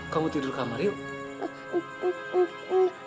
kamu tidur kamar yuk